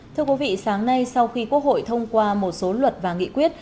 thưa quý vị sáng nay sau khi quốc hội thông qua một số luật và nghị quyết